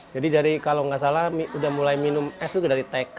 jadi dari kalau gak salah udah mulai minum es tuh dari tk